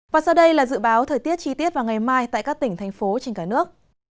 và sau đây là dự báo thời tiết chi tiết vào ngày mai tại các tỉnh thành phố trên cả nước